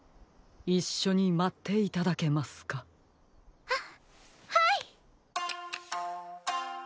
いっしょにまっていただけますか？ははい。